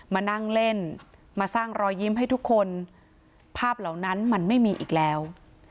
มานั่งเล่นมาสร้างรอยยิ้มให้ทุกคนภาพเหล่านั้นมันไม่มีอีกแล้ว